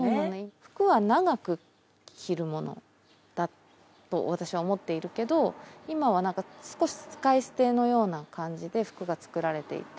服は長く着るものだと私は思っているけど、今はなんか、少し使い捨てのような感じで服が作られていて。